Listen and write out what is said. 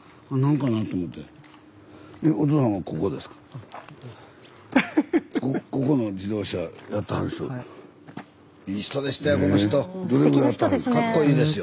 かっこいいですよ。